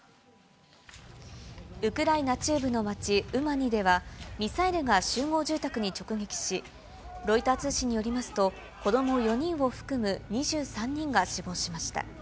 ウクライナ中部の町ウマニでは、ミサイルが集合住宅に直撃し、ロイター通信によりますと、子ども４人を含む２３人が死亡しました。